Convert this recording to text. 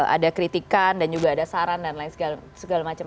ada kritikan dan juga ada saran dan lain segala macam